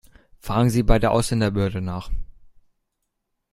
Fragen Sie bei der Ausländerbehörde nach!